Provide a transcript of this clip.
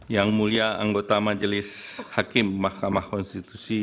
yang mulia anggota majelis hakim mahkamah konstitusi